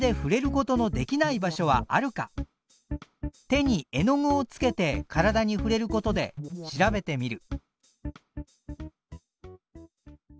手に絵の具をつけて体に触れることで調べてみる。